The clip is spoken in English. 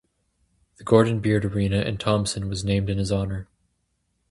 The Gordon Beard arena in Thompson was named in his honour.